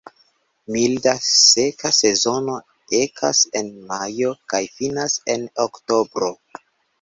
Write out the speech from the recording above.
Milda, seka sezono ekas en majo kaj finas en oktobro.